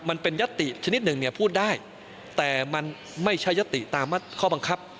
มันเป็นยัตติชนิดหนึ่งเนี่ยพูดได้แต่มันไม่ใช่ยติตามข้อบังคับ